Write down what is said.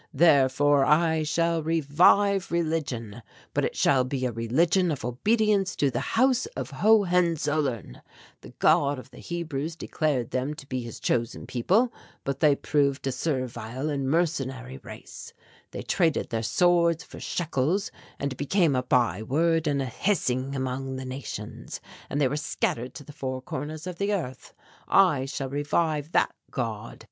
Therefore I shall revive religion, but it shall be a religion of obedience to the House of Hohenzollern. The God of the Hebrews declared them to be his chosen people. But they proved a servile and mercenary race. They traded their swords for shekels and became a byword and a hissing among the nations and they were scattered to the four corners of the earth. I shall revive that God.